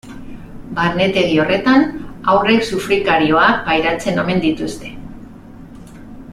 Barnetegi horretan haurrek sufrikarioak pairatzen omen dituzte.